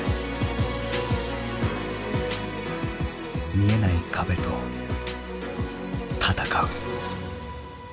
見えない壁とたたかう。